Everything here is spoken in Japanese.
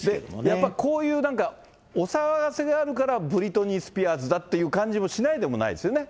やっぱりこういうなんかお騒がせがあるから、ブリトニー・スピアーズだって感じもしないでもないですよね。